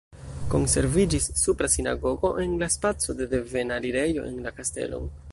Konserviĝis supra sinagogo en la spaco de devena alirejo en la kastelon.